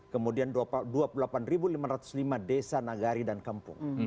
kemudian dua puluh delapan lima ratus lima desa nagari dan kampung